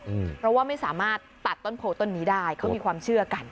เพราะว่าไม่สามารถตัดต้นโพต้นนี้ได้เขามีความเชื่อกัน